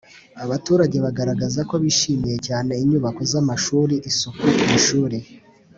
Abaturage bagaragaza ko bishimiye cyane inyubako z amashuri isuku ku ishuri